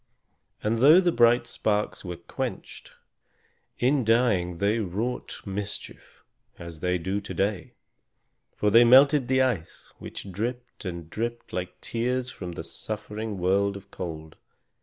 And though the bright sparks were quenched, in dying they wrought mischief, as they do to day; for they melted the ice, which dripped and dripped, like tears from the suffering world of cold.